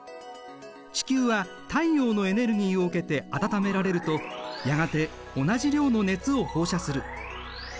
地球は太陽のエネルギーを受けて暖められるとやがて同じ量の熱を放射する。